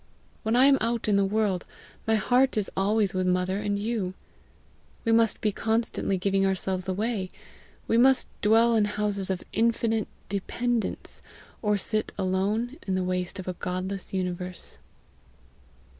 When I am out in the world, my heart is always with mother and you. We must be constantly giving ourselves away, we must dwell in houses of infinite dependence, or sit alone in the waste of a godless universe."